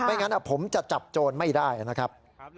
งั้นผมจะจับโจรไม่ได้นะครับ